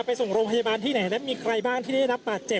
ไปส่งโรงพยาบาลที่ไหนนั้นมีใครบ้างที่ได้รับบาดเจ็บ